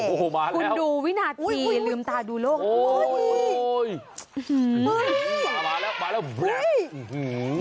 โอ้โฮมาแล้วคุณดูวินาทีลืมตาดูโลก